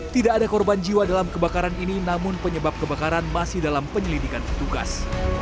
tidak ada korban jiwa dalam kebakaran ini namun penyebab kebakaran masih dalam penyelidikan petugas